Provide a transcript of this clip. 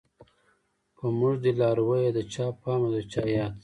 په موږ دی لارويه د چا پام او د چا ياد